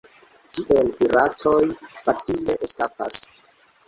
Tiel piratoj facile eskapas.